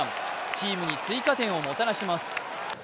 チームに追加点をもたらします。